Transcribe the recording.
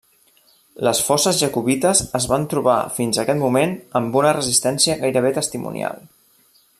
Les forces jacobites es van trobar fins a aquest moment amb una resistència gairebé testimonial.